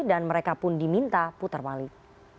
dan mereka pun diminta putar balik